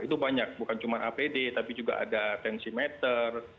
itu banyak bukan cuma apd tapi juga ada tensimeter